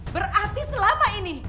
berarti selama ini